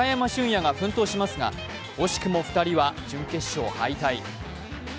野が奮闘しますが、惜しくも２人は準決勝敗退。